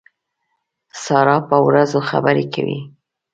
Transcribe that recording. سارا په وروځو خبرې کوي.